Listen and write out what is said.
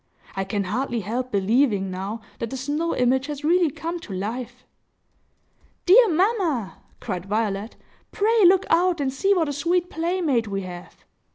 I can hardly help believing, now, that the snow image has really come to life!" "Dear mamma!" cried Violet, "pray look out and see what a sweet playmate we have!"